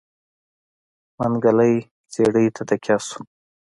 منګلی څېړۍ ته تکيه شو.